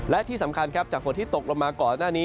และที่สำคัญครับจากฝนที่ตกลงมาก่อนหน้านี้